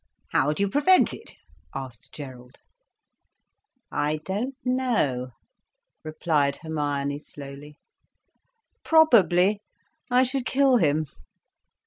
"How would you prevent it?" asked Gerald. "I don't know," replied Hermione slowly. "Probably I should kill him."